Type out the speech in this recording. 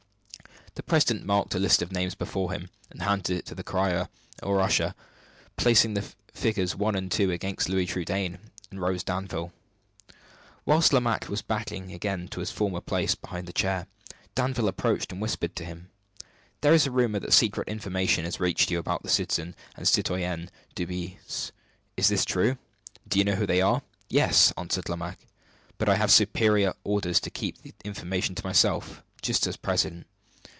The president marked a list of names before him, and handed it to the crier or usher, placing the figures one and two against Louis Trudaine and Rose Danville. While Lomaque was backing again to his former place behind the chair, Danville approached and whispered to him, "There is a rumor that secret information has reached you about the citizen and citoyenne Dubois. Is it true? Do you know who they are?" "Yes," answered Lomaque; "but I have superior orders to keep the information to myself just at present."